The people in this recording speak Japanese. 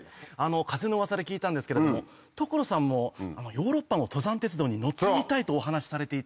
風のうわさで聞いたんですけれども所さんもヨーロッパの登山鉄道に乗ってみたいとお話しされていた。